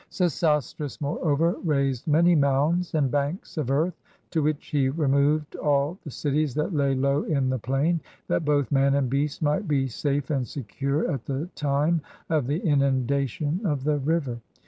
Sesostris, moreover, raised many mounds and banks of earth, to which he removed all the cities that lay low in the plain, that both man and beast might be safe and secure at the time of the inundation of the river.